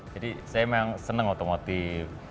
jadi saya memang senang otomotif